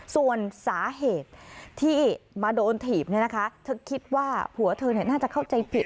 ส่วนสาเหตุที่มาโดนถีบเธอคิดว่าผัวเธอน่าจะเข้าใจผิด